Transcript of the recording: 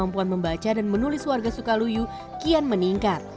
kemampuan membaca dan menulis warga sukaluyu kian meningkat